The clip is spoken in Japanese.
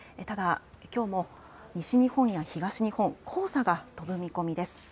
ただ、きょうも西日本や東日本黄砂が飛ぶ見込みです。